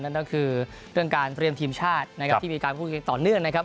นั่นก็คือเรื่องการเตรียมทีมชาตินะครับที่มีการพูดกันต่อเนื่องนะครับ